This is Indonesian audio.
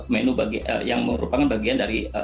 menu yang merupakan bagian dari